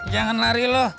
jangan lari loh